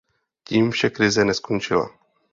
Tím však krize neskončila.